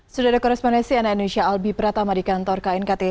sudah ada korespondensi nn indonesia albi pratama di kantor knkt